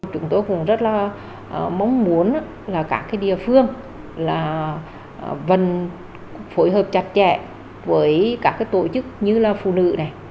chúng tôi cũng rất mong muốn các địa phương vần phối hợp chặt chẽ với các tổ chức như phụ nữ